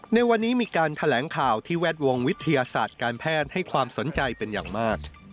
ในวันนี้มีการแถลงข่าวที่แวดวงวิทยาศาสตร์การแพทย์ให้ความสนใจเป็นอย่างมาก